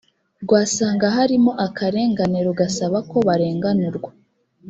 rwasanga harimo akarengane rugasaba ko barenganurwa